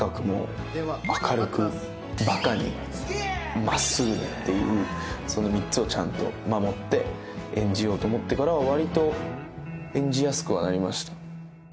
もう明るくバカにまっすぐでっていうその３つをちゃんと守って演じようと思ってからは割と演じやすくはなりました